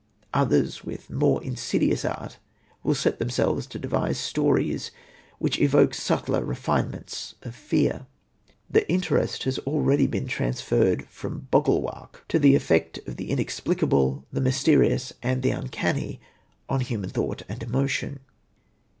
Others with more insidious art, will set themselves to devise stories which evoke subtler refinements of fear. The interest has already been transferred from 'bogle wark' to the effect of the inexplicable, the mysterious and the uncanny on human thought and emotion.